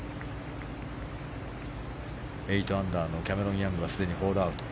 ８アンダーのキャメロン・ヤングはすでにホールアウト。